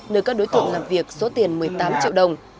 nơi các đối tượng làm việc số tiền một mươi tám triệu đồng